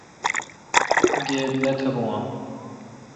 گیب نہ بہ بو اؘ۔